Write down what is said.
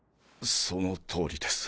そのとおりです。